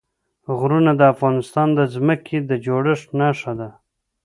غرونه د افغانستان د ځمکې د جوړښت نښه ده.